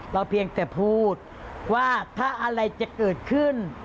เพียงแต่พูดว่าถ้าอะไรจะเกิดขึ้น